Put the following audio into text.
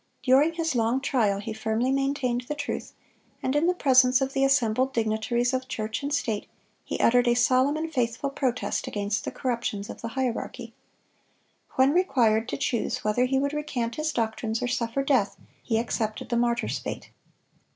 During his long trial he firmly maintained the truth, and in the presence of the assembled dignitaries of church and state, he uttered a solemn and faithful protest against the corruptions of the hierarchy. When required to choose whether he would recant his doctrines or suffer death, he accepted the martyr's fate.